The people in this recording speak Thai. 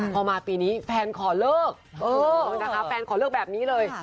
พอมาปีนี้แฟนขอเลิกนะคะแฟนขอเลิกแบบนี้เลย